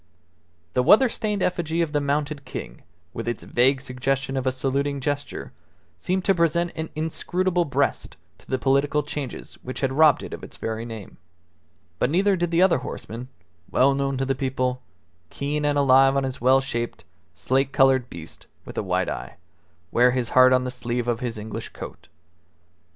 The weather stained effigy of the mounted king, with its vague suggestion of a saluting gesture, seemed to present an inscrutable breast to the political changes which had robbed it of its very name; but neither did the other horseman, well known to the people, keen and alive on his well shaped, slate coloured beast with a white eye, wear his heart on the sleeve of his English coat.